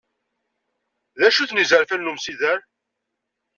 D acu-ten yizefan n umsider?